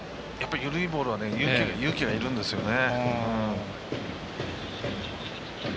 緩いボールは勇気がいるんですよね。